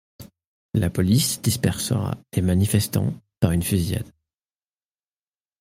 La police dispersa les manifestants par une fusillade.